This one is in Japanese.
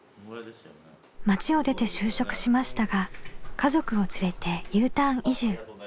町を出て就職しましたが家族を連れてＵターン移住。